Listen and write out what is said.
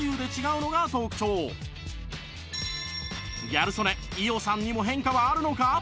ギャル曽根伊代さんにも変化はあるのか？